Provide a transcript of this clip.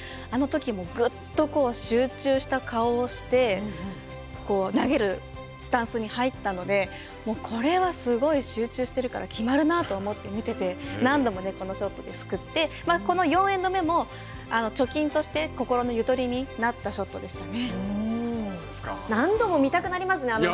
あのときもぐっと集中した顔をして投げるスタンスに入ったのでこれは、すごい集中しているから決まるなと思って見てて何度もこのショットで救って４エンド目も貯金として心のゆとりに何度も見たくなりますね。